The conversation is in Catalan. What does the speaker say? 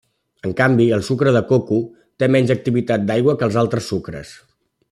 En canvi, el sucre de coco té menys activitat d'aigua que els altres sucres.